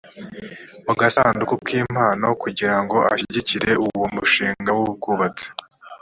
mu gasanduku k impano kugira ngo ashyigikire uwo mushinga w ubwubatsi